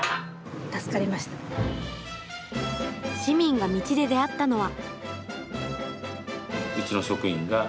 市民が道で出会ったのは。